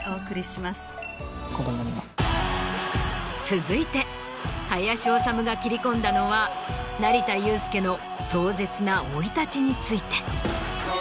続いて林修が切り込んだのは成田悠輔の壮絶な生い立ちについて。